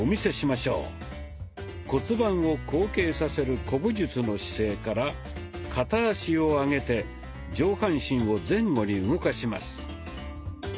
骨盤を後傾させる古武術の姿勢から片足を上げて上半身を前後に動かします。